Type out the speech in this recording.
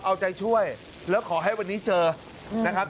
เอาใจช่วยแล้วขอให้วันนี้เจอนะครับ